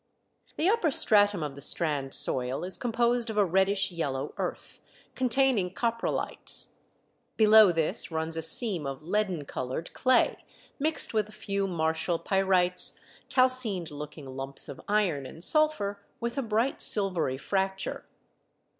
The upper stratum of the Strand soil is composed of a reddish yellow earth, containing coprolites. Below this runs a seam of leaden coloured clay, mixed with a few martial pyrites, calcined looking lumps of iron and sulphur with a bright silvery fracture.